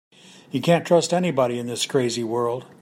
You can't trust anybody in this crazy world.